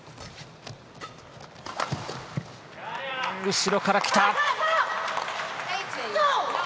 後ろからきた。